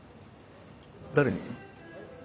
誰に？